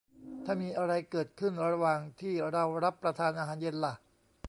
ถ้ามีอะไรเกิดขึ้นระหว่าที่เรารับประทานอาหารเย็นล่ะ